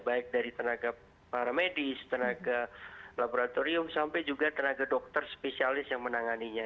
baik dari tenaga para medis tenaga laboratorium sampai juga tenaga dokter spesialis yang menanganinya